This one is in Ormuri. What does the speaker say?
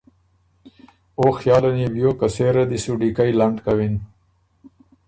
او خیاله ن يې بیوک که سېره دی سُو ډیکئ لنډ کوِن